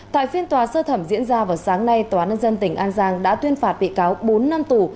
tại phiên tòa sơ thẩm diễn ra vào sáng nay tòa án nhân dân tỉnh an giang đã tuyên phạt bị cáo bốn năm tù